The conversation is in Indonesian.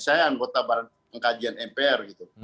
saya anggota pengkajian mpr gitu